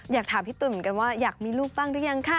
อยากถามพี่ตุ๋นเหมือนกันว่าอยากมีลูกบ้างหรือยังคะ